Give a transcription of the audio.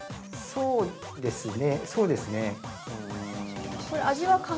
◆そうですね。